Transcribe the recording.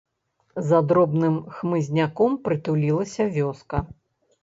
За дробным хмызняком прытулілася вёска.